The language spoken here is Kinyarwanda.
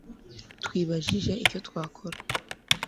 Twibajije icyo twakora